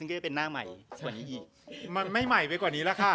ไม่ใหม่ไปกว่านี้แหละค่ะ